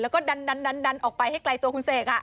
แล้วก็ดันออกไปให้ไกลตัวคุณเสก